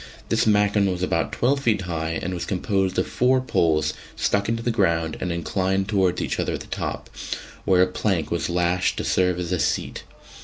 This machan was about twelve feet high and was composed of four poles stuck into the ground and inclined towards each other at the top, where a plank was lashed to serve as a seat.